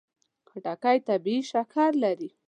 خټکی طبیعي شکر لري.